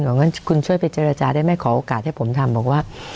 งั้นคุณช่วยไปเจรจาได้ไหมขอโอกาสให้ผมทำบอกว่า